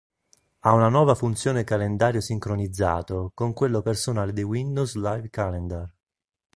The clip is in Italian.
Ha una nuova funzione calendario sincronizzato con quello personale di Windows Live Calendar.